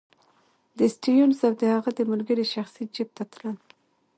د سټیونز او د هغه د ملګرو شخصي جېب ته تلل.